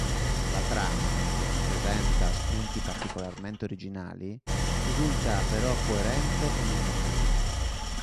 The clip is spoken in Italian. La trama, che non presenta spunti particolarmente originali, risulta però coerente e lineare.